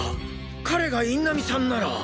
彼が印南さんなら。